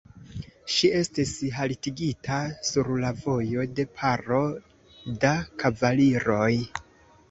Ŝi estis haltigita sur la vojo de paro da kavaliroj.